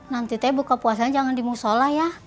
nanti teh buka puasanya jangan di musola ya